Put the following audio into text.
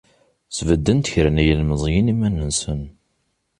Sbedden-d kra n yilzmẓiyen iman-nsen.